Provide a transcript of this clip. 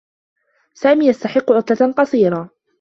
سامي يستحقّ عطلة قصيرة.